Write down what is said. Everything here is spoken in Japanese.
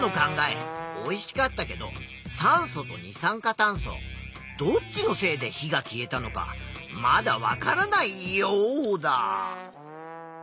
おいしかったけど酸素と二酸化炭素どっちのせいで火が消えたのかまだわからないヨウダ。